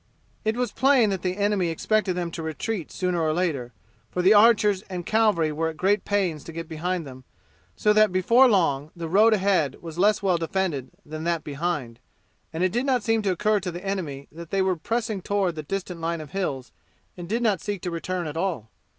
It was plain that the enemy expected them to retreat sooner or later, for the archers and cavalry were at great pains to get behind them, so that before long the road ahead was less well defended than that behind. It did not seem to occur to the enemy that they were pressing toward the distant line of hills and did not seek to return at all.